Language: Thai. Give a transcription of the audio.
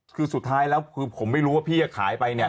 คือสุดท้ายแล้วคือผมไม่รู้ว่าพี่จะขายไปเนี่ย